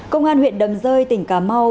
công an huyện đầm rơi tỉnh cà mau